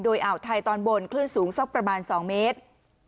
โดยอ่าวไทยตอนบนคลื่นสูงสักประมาณ๒เมตร